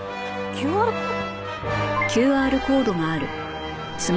ＱＲコード？